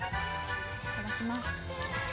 いただきます。